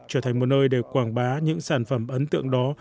trở thành một nơi để quảng bá những sản phẩm ấn tượng đó